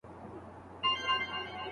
استاد د خامې مسویدې نیمګړتیاوي په ګوته کوي.